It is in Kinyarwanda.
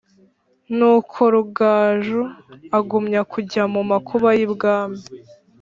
nuko rugaju agumya kujya mu makuba y'ibwami,